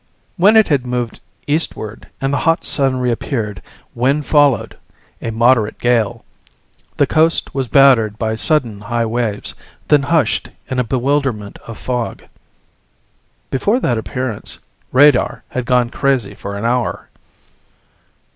When it had moved eastward and the hot sun reappeared, wind followed, a moderate gale. The coast was battered by sudden high waves, then hushed in a bewilderment of fog. Before that appearance, radar had gone crazy for an hour.